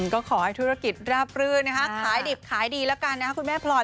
ก็ขอให้ธุรกิจราบรื่นนะคะขายดิบขายดีแล้วกันนะครับคุณแม่พลอย